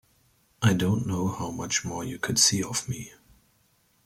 I don't know how much more you could see of me.